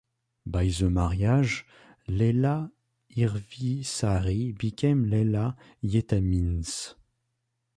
By the marriage, Laila Hirvisaari became Laila Hietamies.